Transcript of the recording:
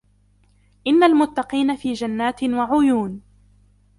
إِنَّ الْمُتَّقِينَ فِي جَنَّاتٍ وَعُيُونٍ